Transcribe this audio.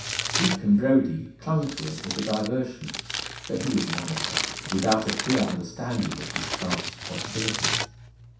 Deacon Brodie clung to it as to a diversion, but he was an amateur, without a clear understanding of his craft's possibilities.